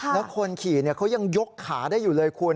แล้วคนขี่เขายังยกขาได้อยู่เลยคุณ